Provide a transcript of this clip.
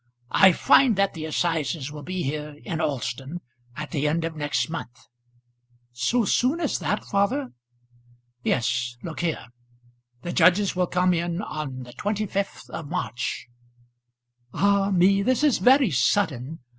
"I find that the assizes will be here, in Alston, at the end of next month." "So soon as that, father?" "Yes; look here: the judges will come in on the 25th of March." "Ah me this is very sudden.